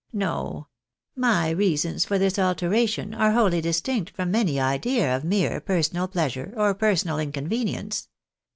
No ! My reasons for this alteration are wholly distinct from any idea of mere personal pleasure, or personal inconvenience.